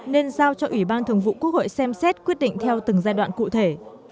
nên giao cho ủy ban thường vụ quốc hội xem xét quyết định theo từng giai đoạn cụ thể